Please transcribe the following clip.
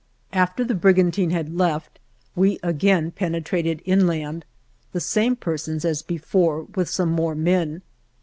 After the brigantine left we again pene trated inland, the same persons as before, with some more men.